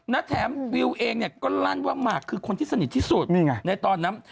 นะแถมวิวเองก็ลั่นว่ามักคือคนที่สนิทที่สุดในตอนนั้น